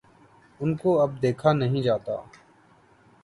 ان کو اب دیکھا نہیں جاتا۔